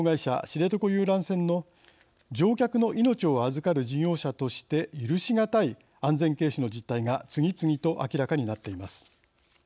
知床遊覧船の乗客の命を預かる事業者として許しがたい安全軽視の実態が次々と明らかになっています。